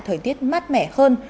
thời tiết mát mẻ hơn